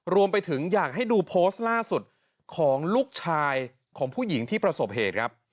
รวมไปถึงอยากให้ดูโพสต์ล่าสุดของลูกชายของผู้หญิงที่ประสบเหตุครับ